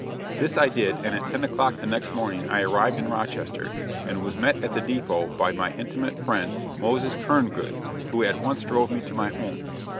This I did, and at ten o'clock the next morning I arrived in Rochester, and was met at the dépôt by my intimate friend Moses Kerngood who at once drove me to my home.